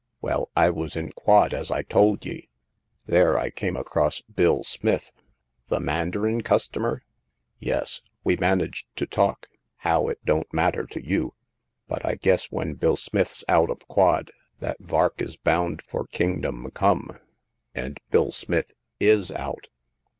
"Well, I was in quod, as I told ye ; there I came across Bill Smith " "The mandarin customer?" "Yes ; we managed to talk — how, it don't mat ter to you ; but I guess, when Bill Smith's out of quod, that Vark is bound for Kingdom come I And Bill Smith is out